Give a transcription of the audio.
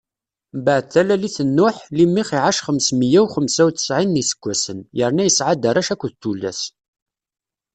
Mbeɛd talalit n Nuḥ, Limix iɛac xems meyya u xemsa u ttsɛin n iseggasen, yerna yesɛa-d arrac akked tullas.